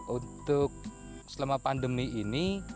untuk selama pandemi ini